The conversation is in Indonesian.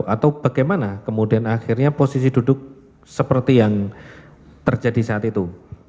atau bagaimana kemudian akhirnya posisi duduk seperti yang terjadi saat itu